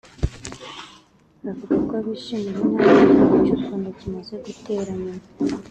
avuga ko bishimira intambwe igihugu cy’u Rwanda kimaze gutera nyuma